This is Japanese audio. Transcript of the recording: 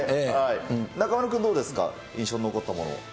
中丸君、どうですか、印象に残ったもの。